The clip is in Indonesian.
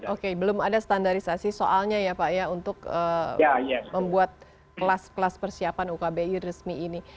oke belum ada standarisasi soalnya ya pak ya untuk membuat kelas kelas persiapan ukbi resmi ini